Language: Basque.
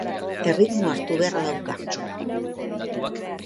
Erritmoa hartu beharra dauka.